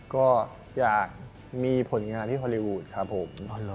ก็อยากมีผลงานที่ฮอลลีวูดครับผม